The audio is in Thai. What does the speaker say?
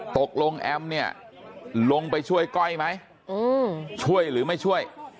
ตกลงแอมเนี่ยลงไปช่วยก้อยไหมช่วยหรือไม่ช่วย